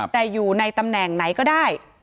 แต่อยู่ในตำแหน่งไหนก็ได้